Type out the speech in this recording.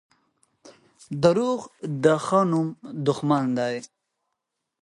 • دروغ د ښه نوم دښمن دي.